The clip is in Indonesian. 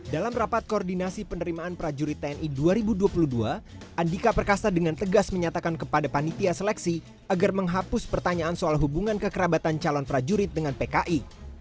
dalam rapat koordinasi penerimaan prajurit tni dua ribu dua puluh dua andika perkasa dengan tegas menyatakan kepada panitia seleksi agar menghapus pertanyaan soal hubungan kekerabatan calon prajurit dengan pki